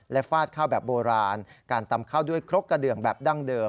และฟาดข้าวแบบโบราณ